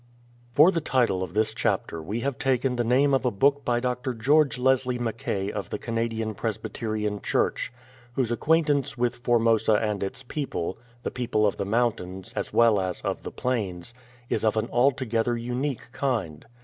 FOR the title of this chapter we have taken the name of a book by Dr. George Leslie Mackay, of the Canadian Presbyterian Church, whose acquaint ance with Formosa and its people — the people of the mountains as well as of the plains — is of an altogether unique kind.